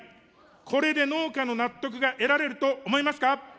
これで農家の納得が得られると思いますか。